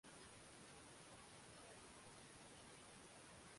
Hasa vipindi vya vita kati ya Wakristo kutoka Ulaya na Waarabu